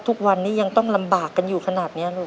ทุกวันนี้ยังต้องลำบากกันอยู่ขนาดนี้ลูก